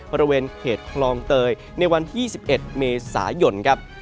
บริเวณเขตคลองเตยในวัน๒๑เมษายน